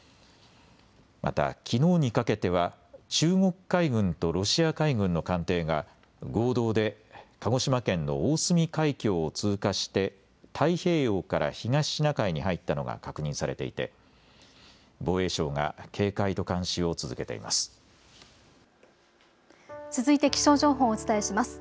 また、きのうにかけては中国海軍とロシア海軍の艦艇が合同で鹿児島県の大隅海峡を通過して太平洋から東シナ海に入ったのが確認されていて防衛省が警戒と監視を続けています。